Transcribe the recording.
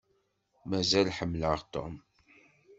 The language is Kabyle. Mazal ḥemmleɣ Tom.